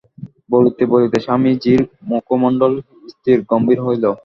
বলিতে বলিতে স্বামীজীর মুখমণ্ডল স্থির গম্ভীর হইল।